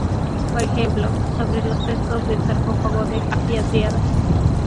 Por ejemplo, sobre los frescos del sarcófago de Agia Triada.